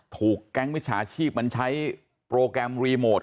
ถูกแก๊งมิจฉาชีพมันใช้โปรแกรมรีโมท